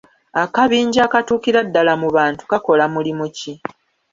Akabinja akatuukira ddala mu bantu kakola mulimu ki?